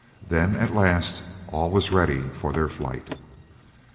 Then at last all was ready for their flight.